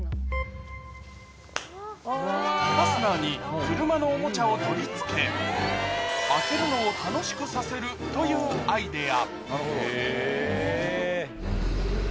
ファスナーに車のおもちゃを取り付け開けるのを楽しくさせるというアイデア